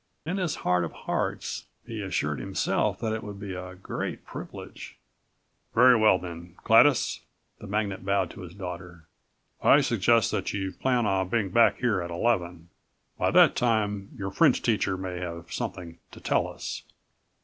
In his heart of hearts he assured himself that it would be a great privilege. "Very well then, Gladys," the magnate bowed to his daughter, "I suggest that you plan on being back here at eleven. By that time your French teacher may have something to tell us."